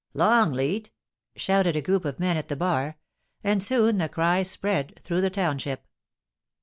'Longleatr shouted a group of men at the bar; and soon the cry spread through the township.